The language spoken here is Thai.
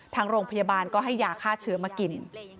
ทางโรงพยาบาลก็ให้ยาฆ่าเชื้อมากิน